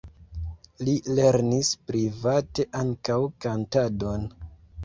Li lernis private ankaŭ kantadon.